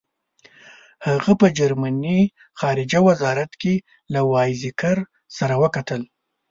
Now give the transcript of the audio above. هغه په جرمني خارجه وزارت کې له وایزیکر سره وکتل.